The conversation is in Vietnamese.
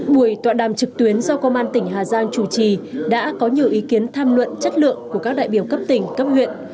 buổi tọa đàm trực tuyến do công an tỉnh hà giang chủ trì đã có nhiều ý kiến tham luận chất lượng của các đại biểu cấp tỉnh cấp huyện